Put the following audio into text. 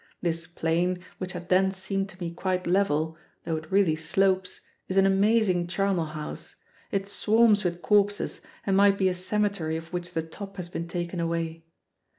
This plain, which had then seemed to me quite level, though it really slopes, is an amazing charnel house. It swarms with corpses, and might be a cemetery of which the top has been taken away.